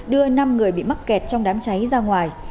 đưa năm người bị mắc kẹt trong đám cháy ra ngoài